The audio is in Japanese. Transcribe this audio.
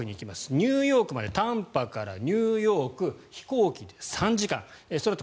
ニューヨークまでタンパからニューヨーク飛行機で３時間そのあと